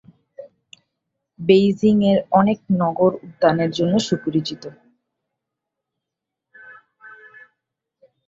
Beijing এর অনেক নগর-উদ্যানের জন্য সুপরিচিত।